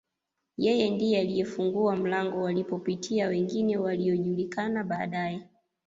Yeye ndiye aliyefungua mlango walipopitia wengine waliojulikana baadae